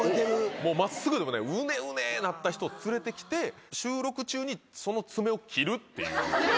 もうまっすぐでもない、うねうねなった人連れてきて、収録中にその爪を切るっていう。